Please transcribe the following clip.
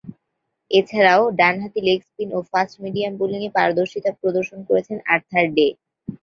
এছাড়াও, ডানহাতি leg spin ও ফাস্ট মিডিয়াম বোলিংয়ে পারদর্শিতা প্রদর্শন করেছেন আর্থার ডে।